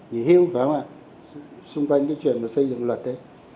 thì hiếu phải không ạ xung quanh cái chuyện xây dựng luật đấy